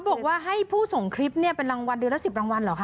บอกว่าให้ผู้ส่งคลิปเนี่ยเป็นรางวัลเดือนละ๑๐รางวัลเหรอค